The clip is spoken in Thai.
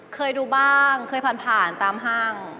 เคยดูบ้างเคยผ่านตามห้าง